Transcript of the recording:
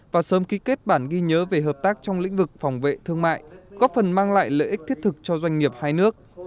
và sớm ký kết bản ghi nhớ về hợp tác trong lĩnh vực phòng vệ thương mại góp phần mang lại lợi ích thiết thực cho doanh nghiệp hai nước